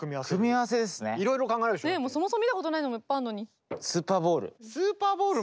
そもそも見たことないのもいっぱいあるのに。